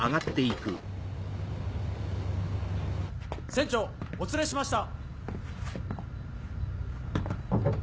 船長お連れしました。